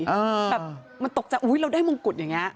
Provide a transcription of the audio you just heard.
แบบมันตกใจอุ๊ยเราได้มงกุฎอย่างนี้